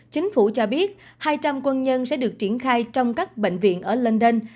chính phủ cho biết hai trăm linh quân nhân sẽ được triển khai trong các bệnh viện ở london